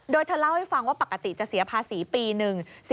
โดยเธอเล่าให้ฟังว่าปกติจะเสียภาษีปีหนึ่ง